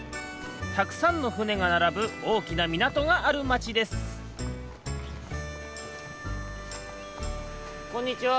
たくさんのふねがならぶおおきなみなとがあるまちですこんにちは！